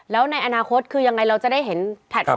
แล้วในอนาคตคือยังไงเราจะได้เห็นแผนพอร์มใหม่